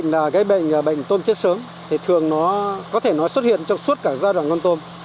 ví dụ cái bệnh là cái bệnh tôm chết sớm thì thường nó có thể nói xuất hiện trong suốt cả giai đoạn con tôm